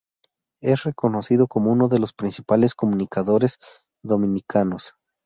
Es reconocido como uno de los principales comunicadores dominicanos.